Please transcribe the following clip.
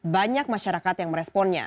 banyak masyarakat yang meresponnya